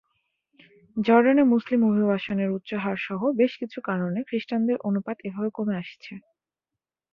জর্ডানে মুসলিম অভিবাসনের উচ্চ হার সহ বেশ কিছু কারণে খ্রিস্টানদের অনুপাত এভাবে কমে আসছে।